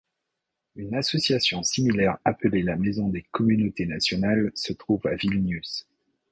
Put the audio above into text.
Une association similaire appelée la Maison des communautés nationales se trouvent à Vilnius.